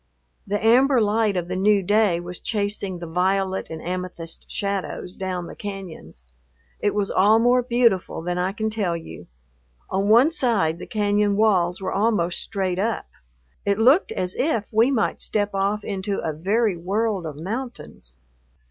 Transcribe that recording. The amber light of the new day was chasing the violet and amethyst shadows down the cañons. It was all more beautiful than I can tell you. On one side the cañon walls were almost straight up. It looked as if we might step off into a very world of mountains.